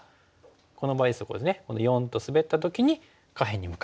この場合④とスベった時に下辺に向かう。